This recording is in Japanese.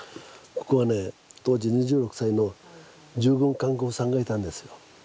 ここはね当時２６歳の従軍看護婦さんがいたんですよ。